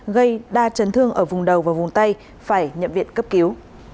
gây đa chấn thương ở vùng đầu và vùng tay phải nhập viện cấp cứu